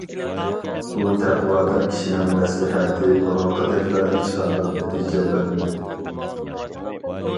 بۇ تەقۋادار كىشىنىڭ مەسلىھەتى بۇرۇنقىدەكلا ھېچقانداق نەتىجە بەرمىدى.